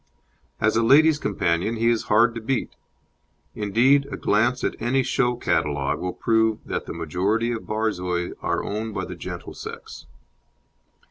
As a lady's companion he is hard to beat; indeed, a glance at any show catalogue will prove that the majority of Borzois are owned by the gentle sex.